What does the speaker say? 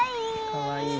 かわいいね。